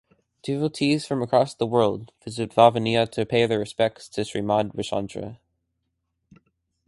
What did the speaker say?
Devotees from across the world visit Vavaniya to pay their respects to Shrimad Rajchandra.